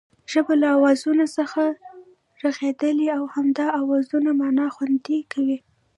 ژبه له آوازونو څخه رغېدلې او همدا آوازونه مانا خوندي کوي